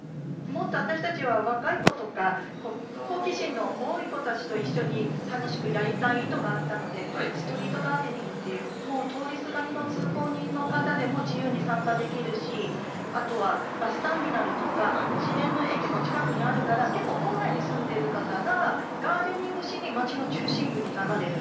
もっと私たちは若い子とか好奇心の多い子たちと一緒に楽しくやりたい意図があったので「ストリート・ガーデニング」っていうもう通りすがりの通行人の方でも自由に参加できるしあとはバスターミナルとか市電の駅も近くにあるから結構郊外に住んでる方がガーデニングしにまちの中心部に流れる。